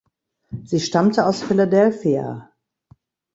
Sie stammte aus Philadelphia.